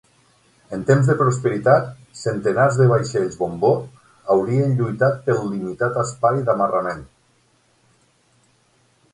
En temps de prosperitat, centenars de vaixells bombó haurien lluitat pel limitat espai d'amarrament.